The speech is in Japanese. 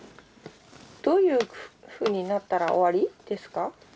どういうふうになったら終わりですか？